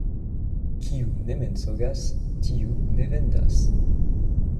Kiu ne mensogas, tiu ne vendas.